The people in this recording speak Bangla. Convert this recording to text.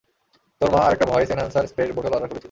তোর মা আরেকটা ভয়েস এনহ্যান্সার স্প্রের বোতল অর্ডার করেছিল।